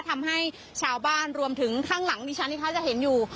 ทำให้ชาวบ้านรวมถึงข้างหลังดิฉันที่เขาจะเห็นอยู่